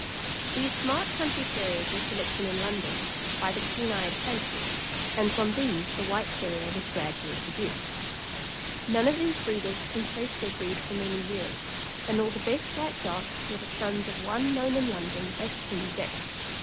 These smart country Terriers were collected in London by the keen eyed " fancy," and frmn these the White Terrier was gradually produced. None of these breeders can trace their breed for many years; and all the best white dogs were the sons of one known in London as King Dick.